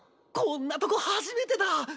こんなとこ初めてだ。